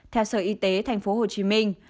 theo sở y tế thành phố hồ chí minh